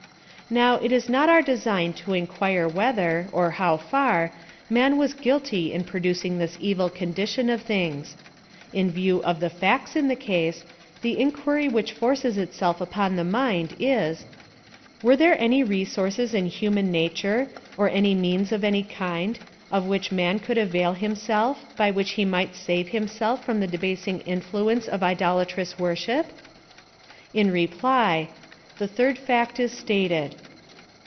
Now, it is not our design to inquire wliether, o/ how far, man was guilty in producing this evil con dition of things. In t iew of the facts in the case., the inquiry which forces itsflf upon the mind *s PLAK OF SALVATIO]^. 45 Were there any resources in human nature ; or anj means of any kind, of which man could avail him self, by which he might save himself from the de basing influence of idolatrous worship ? In reply, THE THIRD FACT IS STATED.